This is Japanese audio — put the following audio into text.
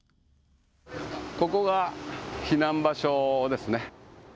ここが避難場所ですね。